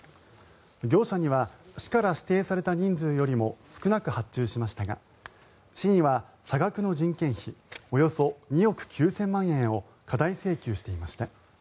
業者には市から指定された人数よりも少なく発注しましたが市には差額の人件費およそ２億９０００万円を過大請求していました。